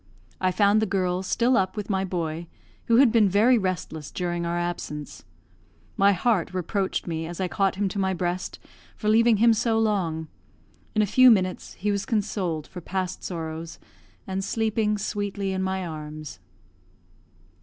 I found the girl still up with my boy, who had been very restless during our absence. My heart reproached me, as I caught him to my breast, for leaving him so long; in a few minutes he was consoled for past sorrows, and sleeping sweetly in my arms.